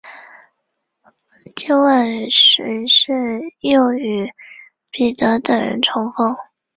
金万燮于是又与彼得等人重逢。